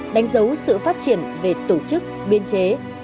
đánh dấu sự phát triển về tổ chức biên chế